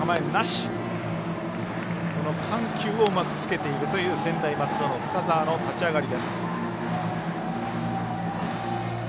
緩急をうまくつけているという専大松戸の深沢の立ち上がり。